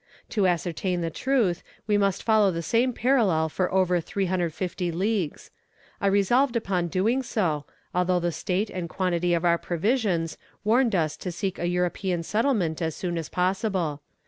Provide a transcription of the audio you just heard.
To ascertain the truth, we must follow the same parallel for over 350 leagues. I resolved upon doing so, although the state and quantity of our provisions warned us to seek a European settlement as soon as possible.